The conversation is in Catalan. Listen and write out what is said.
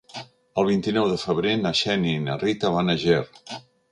El vint-i-nou de febrer na Xènia i na Rita van a Ger.